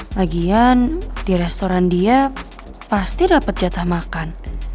lagian di restoran dia pasti dapat jatah makan